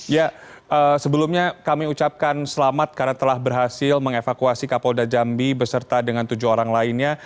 ya sebelumnya kami ucapkan selamat karena telah berhasil mengevakuasi kapolda jambi beserta dengan tujuh orang lainnya